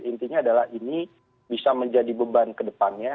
intinya adalah ini bisa menjadi beban kedepannya